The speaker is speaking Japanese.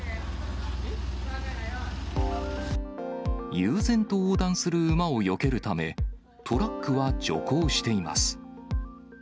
悠然と横断する馬をよけるため、トラックは徐行しています。